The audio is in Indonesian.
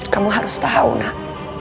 kamu harus tahu nak